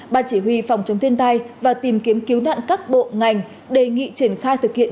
ban chỉ huy phòng chống thiên tai và tìm kiếm cứu nạn các bộ ngành đề nghị triển khai thực hiện